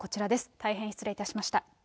大変失礼いたしました。